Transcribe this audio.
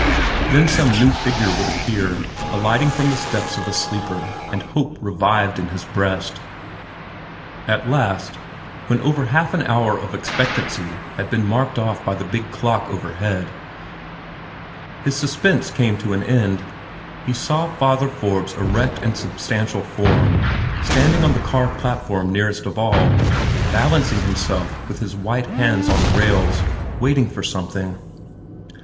Then some new figure would appear, alighting from the steps of a sleeper, and hope revived in his breast. At last, when over half an hour of expectancy had been marked off by the big clock overhead, his suspense came to an end. He saw Father Forbes' erect and substantial form, standing on the car platform nearest of all, balancing himself with his white hands on the rails, waiting for something.